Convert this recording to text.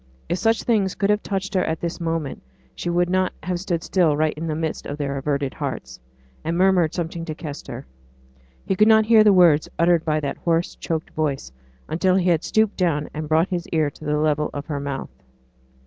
If such things could have touched her at this moment, she would not have stood still right in the midst of their averted hearts, and murmured something to Kester. He could not hear the words uttered by that hoarse choked voice, until he had stooped down and brought his ear to the level of her mouth.